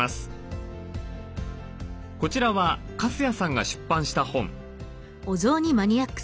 こちらは粕谷さんが出版した本。